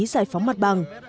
giải phóng mặt bằng